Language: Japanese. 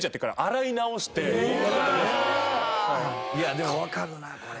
⁉でも分かるなこれ。